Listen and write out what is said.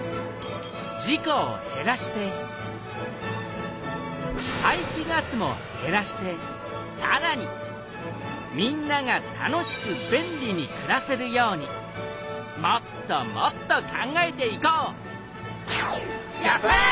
事故をへらして排気ガスもへらしてさらにみんなが楽しく便利にくらせるようにもっともっと考えていこうジャパン！